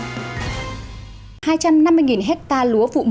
điều này là những thông tin của bản tin